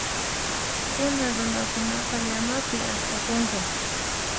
Puna runakunaqa, llamapi astakunku.